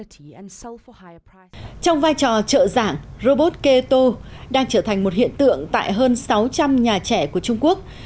trong vai trò trợ giảng robot keto đang trở thành một hiện tượng tại hơn sáu trăm linh nhà trẻ của trung quốc